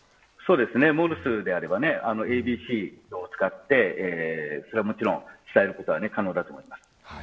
モールスであればＡＢＣを使って伝えることは可能だと思います。